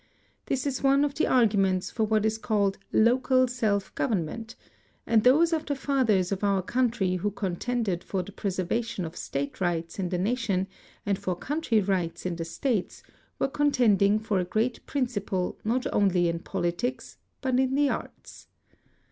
This is one of the arguments for what is called local self government, and those of the fathers of our country who contended for the preservation of state rights in the nation and for county rights in the states were contending for a great principle not only in politics but in the arts.